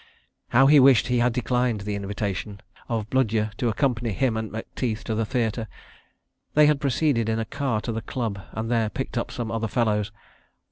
... How he wished he had declined the invitation of Bludyer to accompany him and Macteith to the theatre. ... They had proceeded in a car to the Club and there picked up some other fellows.